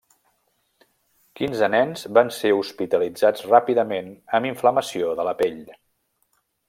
Quinze nens van ser hospitalitzats ràpidament amb inflamació de la pell.